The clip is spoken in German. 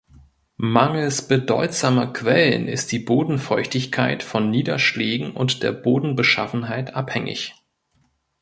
Mangels bedeutsamer Quellen ist die Bodenfeuchtigkeit von Niederschlägen und der Bodenbeschaffenheit abhängig.